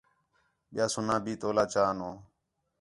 ٻِیا سُنا بھی تولا چا آنو